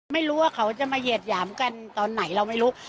ไม่รู้ว่าเขาจะมาเหยียดหยามกันตอนไหนเราไม่รู้